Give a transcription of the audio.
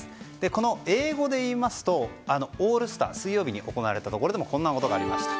この英語でいいますとオールスター、水曜日に行われたところでもこんなことがありました。